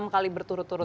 enam kali berturut turut